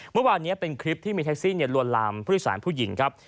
เมื่อวานนี้เป็นคลิปที่มีแท็กซี่ลวนลามผู้โดยสารผู้หญิงครับ